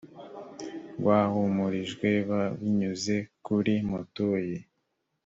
rwahumurijwe b binyuze kuri mutuyi